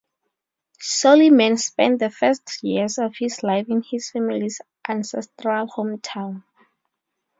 Suliman spent the first years of his life in his family's ancestral hometown.